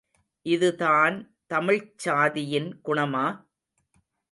இதுதான் தமிழ்ச் சாதியின் குணமா?